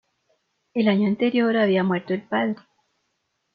El año anterior había muerto el padre.